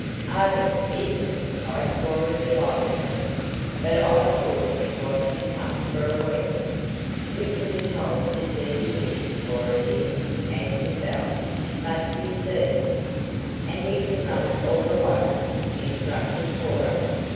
"Oh, isn't it!" cried Cora delightedly. "But I thought it wasn't to come for a week." "We couldn't help deceiving you, Cora, dear," answered Belle. "But you see " "And you can run it all alone?" interrupted Cora.